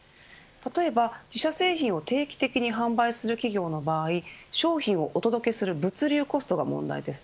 例えば自社製新製品を定期的に販売する企業の場合商品をお届けする物流コストが問題です。